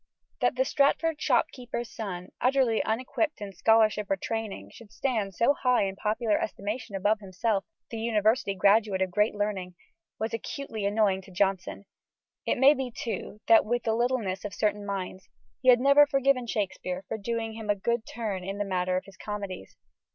That the Stratford shopkeeper's son, utterly unequipped in scholarship or training, should stand so high in popular estimation above himself the University graduate of great learning was acutely annoying to Jonson: it may be, too, that, with the littleness of certain minds, he had never forgiven Shakespeare for doing him a good turn in the matter of his comedies.